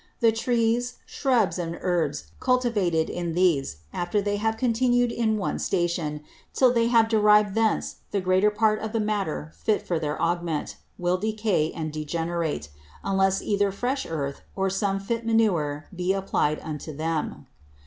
The Trees, Shrubs, and Herbs cultivated in these, after they have continued in one Station, till they have derived thence the greater part of the Matter fit for their Augment, will decay and degenerate, unless either fresh Earth, or some fit Manure, be applied unto them.